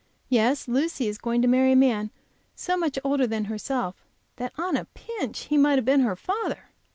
Yes, Lucy is going to marry a man so much older than herself, that on a pinch he might have been her father.